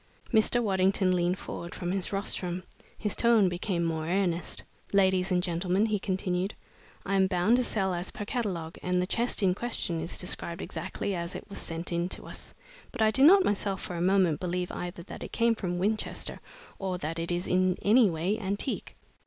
Mr. Waddington leaned forward from his rostrum. His tone became more earnest. "Ladies and gentlemen," he continued, "I am bound to sell as per catalogue, and the chest in question is described exactly as it was sent in to us, but I do not myself for a moment believe either that it came from Winchester or that it is in any way antique.